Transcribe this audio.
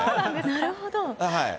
なるほど。